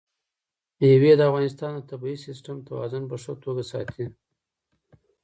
مېوې د افغانستان د طبعي سیسټم توازن په ښه توګه ساتي.